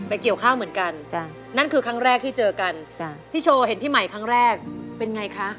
เกี่ยวข้าวเหมือนกันนั่นคือครั้งแรกที่เจอกันจ้ะพี่โชว์เห็นพี่ใหม่ครั้งแรกเป็นไงคะ